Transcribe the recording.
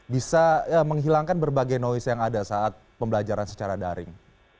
bisa menghilangkan berbagai noise yang ada saat pembelajaran secara daring